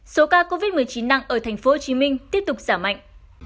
số ca covid một mươi chín nặng ở tp hcm tiếp tục giảm mạnh